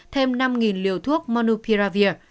thêm năm liều thuốc monopiravir